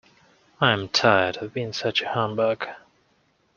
I am tired of being such a humbug.